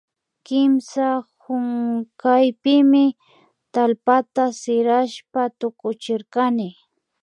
Kimsa hunkaypimi tallpata sirashpa tukuchirkani